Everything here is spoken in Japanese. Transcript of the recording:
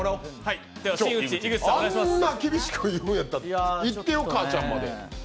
あんな厳しく言うんやったらいってよ、かあちゃんまで。